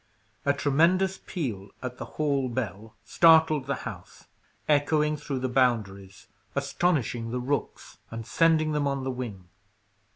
A tremendous peal at the hall bell startled the house, echoing through the Boundaries, astonishing the rooks, and sending them on the wing.